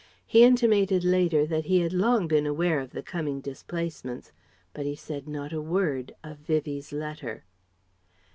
He intimated later that he had long been aware of the coming displacements; but he said not a word of Vivie's letter.